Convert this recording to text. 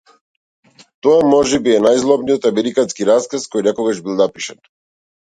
Тоа можеби е најзлобниот американски расказ кој некогаш бил напишан.